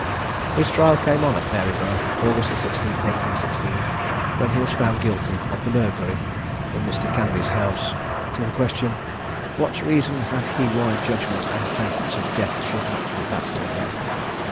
His trial came on at Maryborough, August the 16th 1816, when he was found guilty of the burglary in Mr. Cambie's house. To the question "What reason he had why judgment and sentence of death should not be passed on him?"